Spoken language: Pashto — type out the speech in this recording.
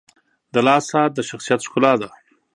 • د لاس ساعت د شخصیت ښکلا ده.